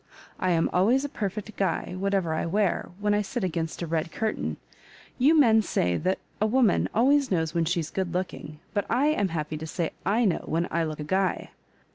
I am always a perfect guy, whatever I wear, when I sit against a red curtain. You men say that a woman always knows when she's good looking, but I am happy to say /know when I look a guy.